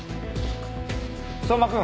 相馬君。